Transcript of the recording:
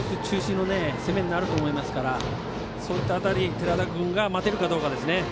中心の攻めになると思いますからそういった辺り、寺田君が待てるかどうかですね。